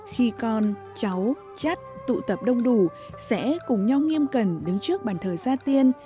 khi con cháu chắt tụ tập đông đủ sẽ cùng nhau nghiêm cần đứng trước bàn thờ gia tiên